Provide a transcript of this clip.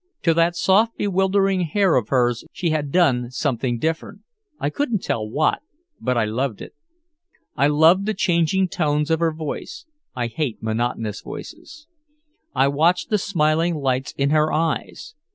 To that soft bewildering hair of hers she had done something different I couldn't tell what, but I loved it. I loved the changing tones of her voice I hate monotonous voices. I watched the smiling lights in her eyes.